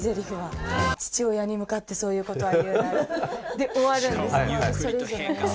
で終わるんです。